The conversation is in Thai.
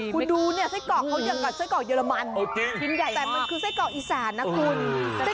คุณดูเนี่ยไส้เกราะเขาอย่างกับไส้เกราะเยอรมันแต่มันคือไส้เกราะอีสานนะคุณ